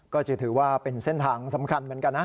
ก็จะถือว่าเป็นเส้นทางสำคัญเหมือนกันนะ